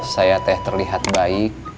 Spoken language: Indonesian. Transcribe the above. saya teh terlihat baik